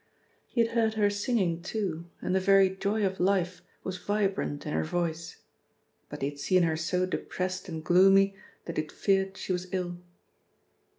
He had heard her singing, too, and the very joy of life was vibrant in her voice but he had seen her so depressed and gloomy that he had feared she was ill.